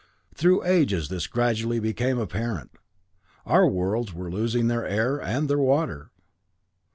Through ages this gradually became apparent. Our worlds were losing their air and their water.